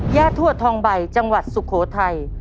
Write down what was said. ทวดทองใบจังหวัดสุโขทัย